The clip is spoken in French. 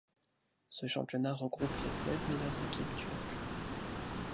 Ce championnat regroupe les seize meilleures équipes turques.